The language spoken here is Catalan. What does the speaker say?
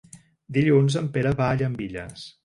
Dilluns en Pere va a Llambilles.